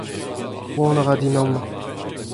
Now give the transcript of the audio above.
Poan a ra din amañ.